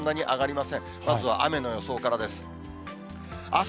まずは雨の予想からです。